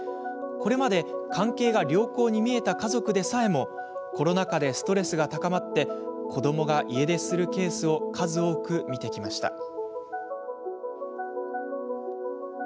これまで関係が良好に見えた家族でさえもコロナ禍でストレスが高まり子どもが家出するケースを数多く見てきました。